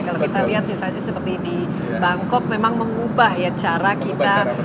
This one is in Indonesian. kalau kita lihat misalnya seperti di bangkok memang mengubah ya cara kita